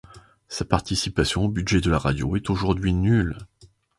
Sa participation au budget de la radio est aujourd'hui nulle.